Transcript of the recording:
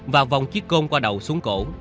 và vòng chiếc con qua đầu xuống cổ